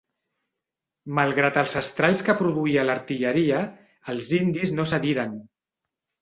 Malgrat els estralls que produïa l’artilleria, els indis no cediren.